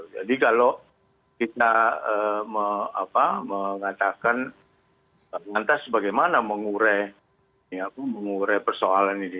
jadi kalau kita mengatakan nantas bagaimana mengureh persoalan ini